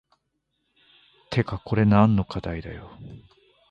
てかこれ何の課題だよ